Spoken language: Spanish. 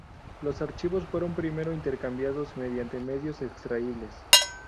Los archivos fueron primero intercambiados mediante medios extraíbles.